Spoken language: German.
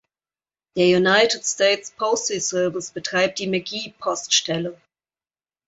Der United States Postal Service betreibt die McGehee-Poststelle.